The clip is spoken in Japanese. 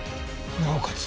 なおかつ